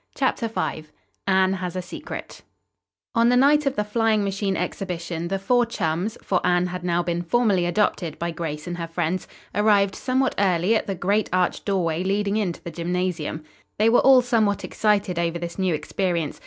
CHAPTER V ANNE HAS A SECRET On the night of the flying machine exhibition, the four chums, for Anne had now been formally adopted by Grace and her friends, arrived somewhat early at the great arched doorway leading into the gymnasium. They were all somewhat excited over this new experience.